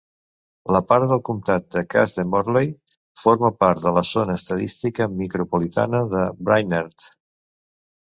La part del comtat de Cass de Motley forma part de la zona estadística micropolitana de Brainerd.